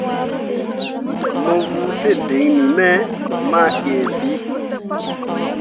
Mo vuu tǝdiŋni me mah yie bii.